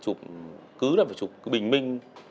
chụp cứ là phải chụp bình minh